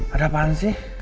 ada apaan sih